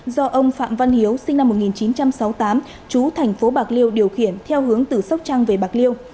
do ông phạm văn hiếu sinh năm một nghìn chín trăm sáu mươi tám chú thành phố bạc liêu điều khiển theo hướng từ sóc trăng về bạc liêu